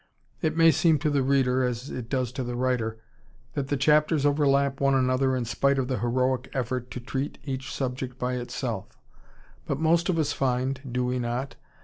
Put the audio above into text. It may seem to the reader (as it does to the writer) that the chapters overlap one another in spite of the heroic effort to treat each subject by itself. But most of us find, do we not?